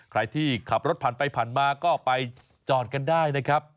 ใครที่ขับรถผ่านไปผ่านมาก็ไปจอดกันได้นะครับ